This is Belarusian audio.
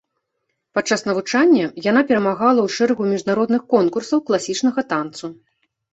Падчас навучання яна перамагала ў шэрагу міжнародных конкурсаў класічнага танцу.